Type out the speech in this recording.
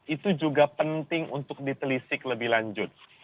itu juga penting untuk ditelisik lebih lanjut